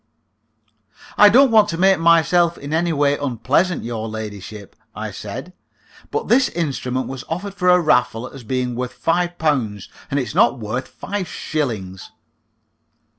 "I don't want to make myself in any way unpleasant, your ladyship," I said; "but this instrument was offered for raffle as being worth five pounds, and it's not worth five shillings."